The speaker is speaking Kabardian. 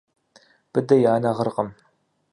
Быдэ и анэ гъыркъым.